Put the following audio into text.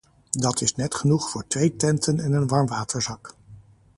Dat is net genoeg voor twee tenten en een warmwaterzak.